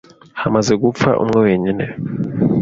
hamaze gupfa umwe wenyine